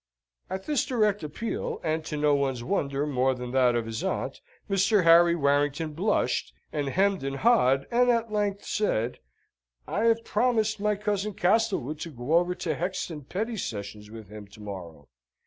At this direct appeal, and to no one's wonder more than that of his aunt, Mr. Harry Warrington blushed, and hemmed and ha'd and at length said, "I have promised my cousin Castlewood to go over to Hexton Petty Sessions with him to morrow.